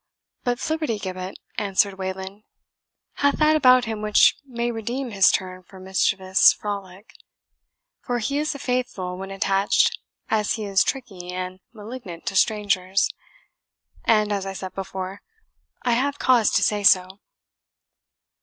"But Flibbertigibbet," answered Wayland, "hath that about him which may redeem his turn for mischievous frolic; for he is as faithful when attached as he is tricky and malignant to strangers, and, as I said before, I have cause to say so."